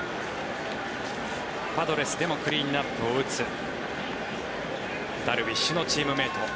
パドレスでもクリーンアップを打つダルビッシュのチームメート。